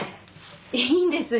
いいんです。